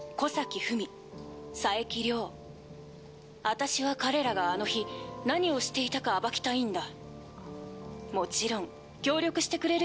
私は彼らがあの日、何をしていたか暴きたいんだ。